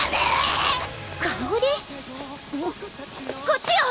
こっちよ！